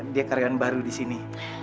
dia karyawan baru di sini